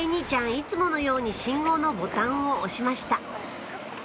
いつものように信号のボタンを押しました